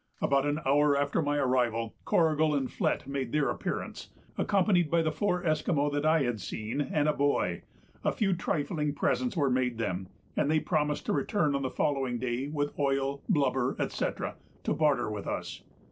About an hour after my arrival, Corrigal and Flett made their appearance, accompanied by the four Esquimaux that I had seen and a boy. A few trifling presents were made them, and they promised to return on the following day with oil, blubber, &c. to barter with us.